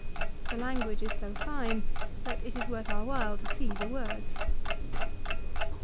The language is so fine that it is worth our while to see the words.